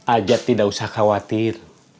ajak tidak usah khawatir